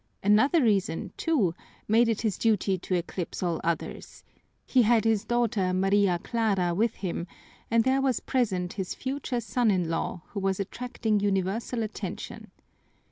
Another reason, too, made it his duty to eclipse all others: he had his daughter Maria Clara with him, and there was present his future son in law, who was attracting universal attention.